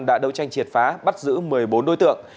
đã đấu tranh triệt phá bắt giữ một mươi bốn đối tượng